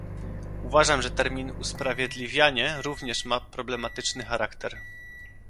Uważam, że termin "usprawiedliwianie" również ma problematyczny charakter